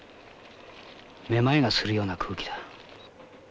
めまいがするような空気だ。